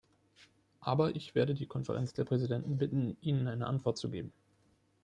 Aber ich werde die Konferenz der Präsidenten bitten, Ihnen eine Antwort zu geben.